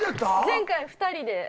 前回２人で。